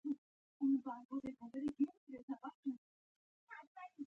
هر څه چې وايي، هماغه کوي.